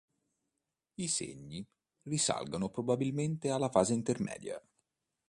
I segni risalgono probabilmente alla fase intermedia.